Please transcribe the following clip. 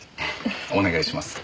お願いします。